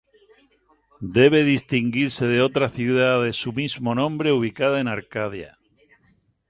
Debe distinguirse de otra ciudad de su mismo nombre ubicada en Arcadia.